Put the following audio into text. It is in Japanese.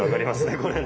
これね。